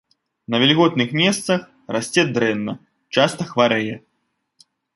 На вільготных месцах расце дрэнна, часта хварэе.